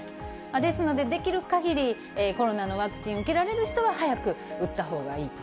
ですので、できるかぎりコロナのワクチン受けられる人は、早く打ったほうがいいと。